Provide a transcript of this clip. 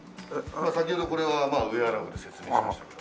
先ほどこれはウェアラブル説明しましたけど。